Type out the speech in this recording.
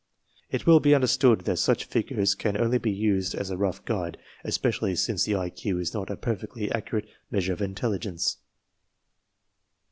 It will be understood that such figures can only be used as a l, «\ rough guide, especially since the IQ is not a perfectly f 1 accurate measure of intelligence!